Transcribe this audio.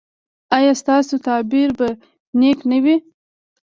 ایا ستاسو تعبیر به نیک نه وي؟